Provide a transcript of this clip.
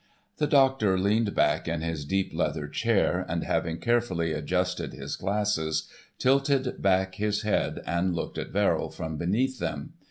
The doctor leaned back in his deep leather chair, and having carefully adjusted his glasses, tilted back his head, and looked at Verrill from beneath them.